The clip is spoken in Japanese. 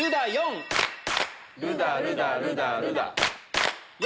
ルダルダルダルダ。